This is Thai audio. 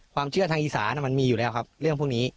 ความเชื่อทางอีสานมันมีอยู่แล้วครับเรื่องพวกนี้